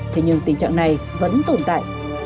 thế nhưng tình trạng này vẫn tồn tại